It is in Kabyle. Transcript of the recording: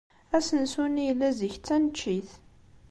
Asensu-nni yella, zik, d taneččit.